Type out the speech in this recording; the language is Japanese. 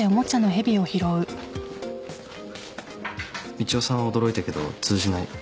みちおさんは驚いたけど通じない。